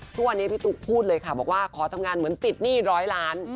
ทุกวันนี้พี่ตุ๊กพูดเลยค่ะบอกว่าขอทำงานเหมือนติดหนี้ร้อยล้าน